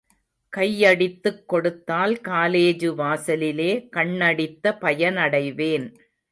கையடித்துக் கொடுத்தால் காலேஜு வாசலிலே கண்ணடித்த பயனடைவேன்!